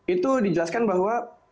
itu dijelaskan bahwa